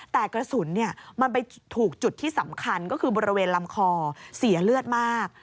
แต่กระสุนมันไปถูกจุดที่สำคัญก็คือบริเวณลำคอเสียเลือดมาก